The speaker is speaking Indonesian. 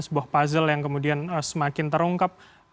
sebuah puzzle yang kemudian semakin terungkap